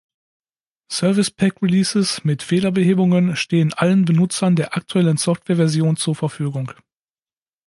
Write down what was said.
Service Pack Releases mit Fehlerbehebungen stehen allen Benutzern der aktuellen Software-Version zur Verfügung.